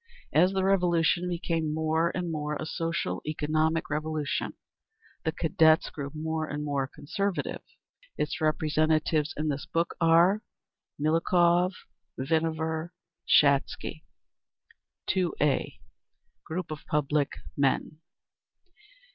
As the Revolution became more and more a social economic Revolution, the Cadets grew more and more conservative. Its representatives in this book are: Miliukov, Vinaver, Shatsky. 2a. _Group of Public Men.